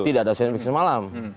tidak ada seismik semalam